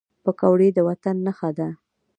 پکورې د وطن نښه ده